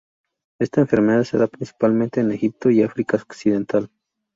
Esta enfermedad se da principalmente en Egipto y África occidental.